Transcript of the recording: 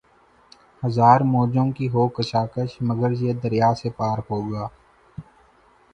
ہزار موجوں کی ہو کشاکش مگر یہ دریا سے پار ہوگا